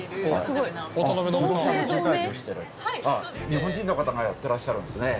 日本人の方がやってらっしゃるんですね。